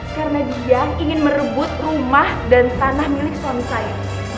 karena dia ingin merebut rumah dan tanah milik suami saya